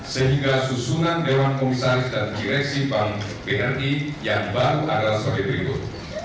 sehingga susunan dewan komisaris dan direksi bank bri yang baru adalah sebagai berikut